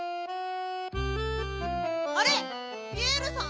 あれピエールさん？